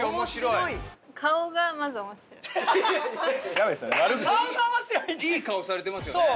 いい顔されてますよね。